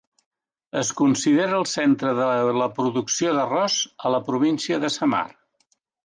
Es considera el centre de la producció d'arròs a la província de Samar.